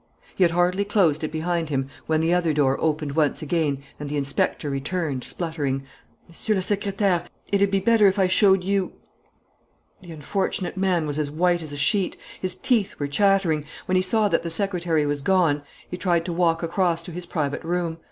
He had hardly closed it behind him when the other door opened once again and the inspector returned, spluttering: "Monsieur le Secrétaire ... it'd be better if I showed you " The unfortunate man was as white as a sheet. His teeth were chattering. When he saw that the secretary was gone, he tried to walk across to his private room.